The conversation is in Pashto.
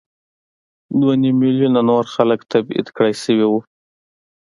دوه نیم میلیونه نور خلک تبعید کړای شوي وو.